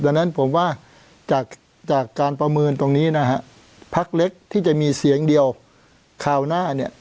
ดังนั้นผมว่าจากการประเมินตรงนี้นะฮะพักเล็กที่จะมีเสียงเดียวคราวหน้าเนี่ย